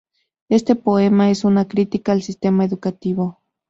Este poema es una crítica al sistema educativo.